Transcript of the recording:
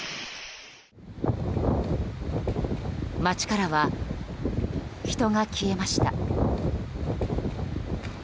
街からは人が消えました。